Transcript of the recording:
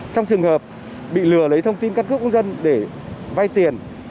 trong trường hợp bị lừa lấy thông tin căn cước công dân để vay tiền